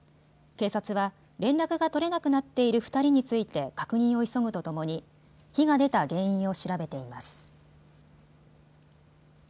警察は連絡が取れなくなっている２人について確認を急ぐとともに火が出た原因を調べています。